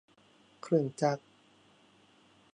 เครื่องจักร